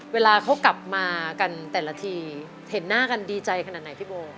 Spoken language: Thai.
เวลาเขากลับมากันแต่ละทีเห็นหน้ากันดีใจขนาดไหนพี่โบ